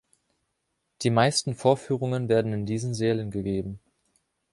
Die meisten Vorführungen werden in diesen Sälen gegeben.